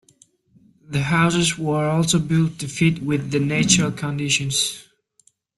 The houses were also built to fit with the natural conditions.